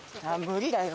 「無理だよ」。